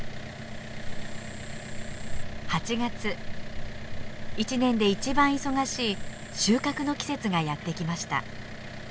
８月一年で一番忙しい収穫の季節がやって来ました。